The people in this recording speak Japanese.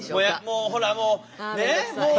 もうほらもうねえ？